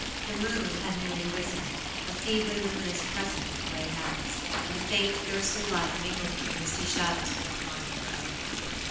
The moon had newly risen, a feebly luminous crescent in the gray heavens, and a faint, ghostly light mingled with the misty shadows of the declining day.